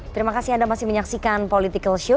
terima kasih anda masih menyaksikan political show